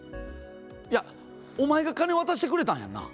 お前が金渡してくれたんやんな？